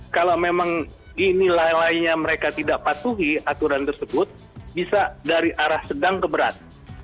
kalau memang ini lalainya mereka tidak patuhi aturan tersebut bisa dari arah sedang ke berat